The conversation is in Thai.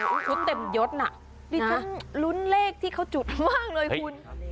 ชุดเต็มยดน่ะดิฉันลุ้นเลขที่เขาจุดมากเลยคุณ